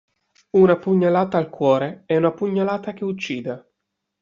Una pugnalata al cuore è una pugnalata che uccide.